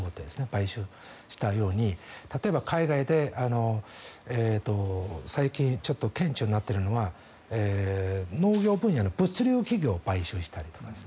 買収したように例えば、海外で最近ちょっと顕著になっているのは農業分野の物流企業を買収したり。